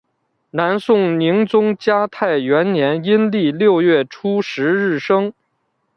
南宋宁宗嘉泰元年阴历六月初十日生。